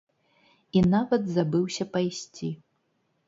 І нават забыўся пайсці.